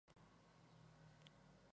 Igualmente se obtiene pesca.